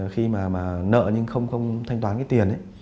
khi mà nợ nhưng không thanh toán cái tiền